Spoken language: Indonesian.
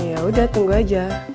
yaudah tunggu aja